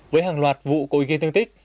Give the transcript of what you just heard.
với hàng loạt vụ cội gây tương tích